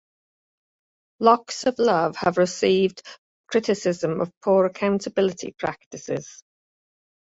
Locks of Love has received criticism of poor accountability practices.